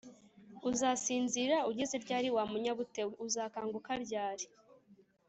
uzasinzira ugeze ryari, wa munyabute we’ uzakanguka ryari’